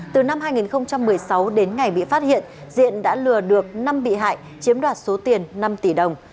từ năm hai nghìn một mươi sáu đến ngày bị phát hiện diện đã lừa được năm bị hại chiếm đoạt số tiền năm tỷ đồng